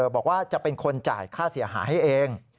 บอกว่าจะเป็นคนจ่ายค่าเสียหายให้เอง